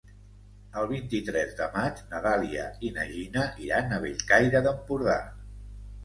El vint-i-tres de maig na Dàlia i na Gina iran a Bellcaire d'Empordà.